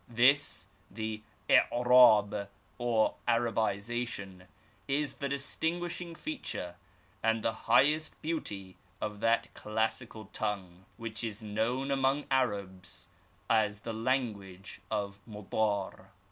This, the i'rab, or Arabization, is the distinguishing feature and the highest beauty of that classic tongue which is known among Arabs as the language of Modar.